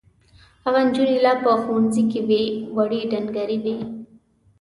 هغه نجونې لا په ښوونځي کې وې وړې ډنګرې وې.